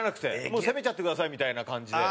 もう攻めちゃってくださいみたいな感じで。